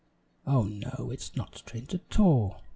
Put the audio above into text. "Oh, no, it's not strange at all.